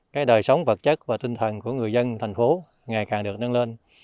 cái đời sống vật chất và tinh thần của người dân thành phố ngày càng được nâng lên